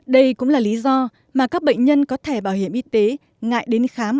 đây cũng là lý do mà các bệnh nhân có thẻ bảo hiểm y tế ngại đến khám